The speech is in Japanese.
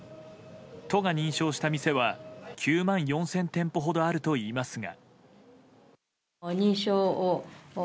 都が認証した店は９万４０００店舗ほどあるといいますが。